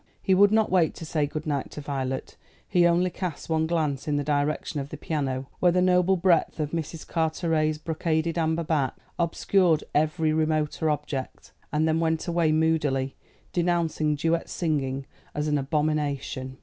He would not wait to say good night to Violet. He only cast one glance in the direction of the piano, where the noble breadth of Mrs. Carteret's brocaded amber back obscured every remoter object, and then went away moodily, denouncing duet singing as an abomination.